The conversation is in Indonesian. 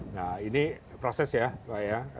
nah ini proses ya pak ya